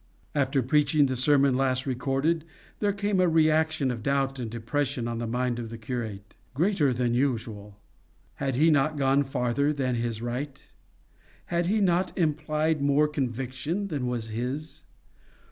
After preaching the sermon last recorded, there came a reaction of doubt and depression on the mind of the curate, greater than usual. Had he not gone farther than his right? Had he not implied more conviction than was his?